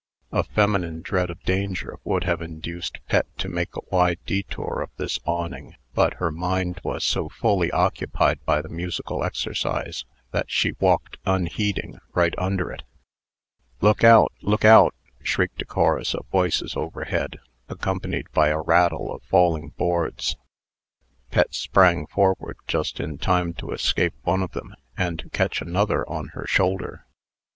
A feminine dread of danger would have induced Pet to make a wide detour of this awning; but her mind was so fully occupied by the musical exercise, that she walked, unheeding, right under it. "Look out! look out!" shrieked a chorus of voices overhead, accompanied by a rattle of falling boards. Pet sprang forward just in time to escape one of them, and to catch another on her shoulder.